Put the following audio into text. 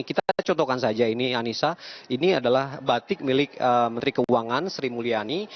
kita contohkan saja ini anissa ini adalah batik milik menteri keuangan sri mulyani